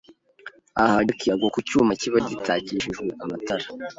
Aha, Jackie agwa ku cyuma kiba gitakishijwe amatara